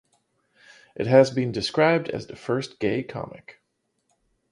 It has been described as the first gay comic.